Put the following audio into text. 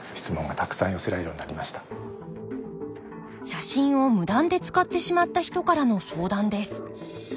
写真を無断で使ってしまった人からの相談です。